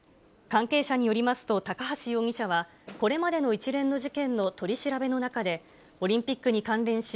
関係者によりますと、高橋容疑者は、これまでの一連の事件の取り調べの中で、オリンピックに関連し、